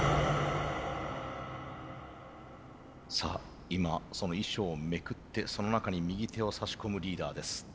さあ今その衣装をめくってその中に右手をさし込むリーダーです。